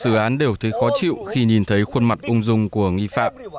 những sự án đều thấy khó chịu khi nhìn thấy khuôn mặt ung dung của nghi phạm